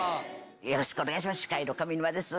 よろしくお願いします